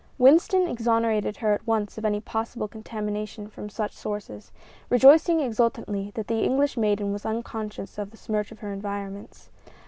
Winston exonerated her at once of any possible contamination from such sources, rejoicing exultantly that the English maiden was unconscious of the smirch of her environments.